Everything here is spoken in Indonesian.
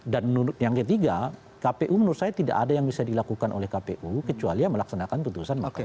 dan yang ketiga kpu menurut saya tidak ada yang bisa dilakukan oleh kpu kecuali melaksanakan putusan